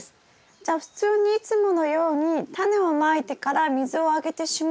じゃあ普通にいつものようにタネをまいてから水をあげてしまうと？